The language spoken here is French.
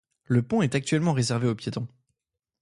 Le pont est actuellement réservé aux piétons.